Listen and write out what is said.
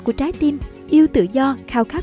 của trái tim yêu tự do khao khát